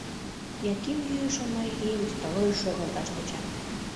Яким йӱшӧ марийым стройыш шогалташ тӧча.